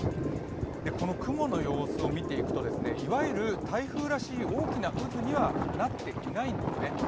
この雲の様子を見ていくと、いわゆる台風らしい大きな渦にはなっていないんですね。